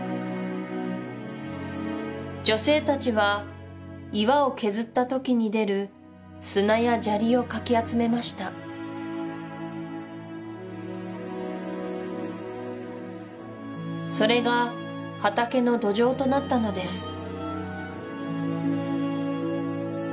女性たちは岩を削ったときに出る砂や砂利をかき集めましたそれが畑の土壌となったのです